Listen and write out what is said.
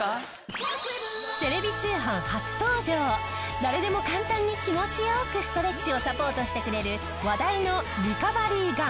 誰でも簡単に気持ち良くストレッチをサポートしてくれる話題のリカバリーガン！